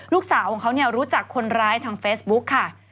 ลูกสาวของเขารู้จักคนร้ายทางเฟซบุ๊กค่ะ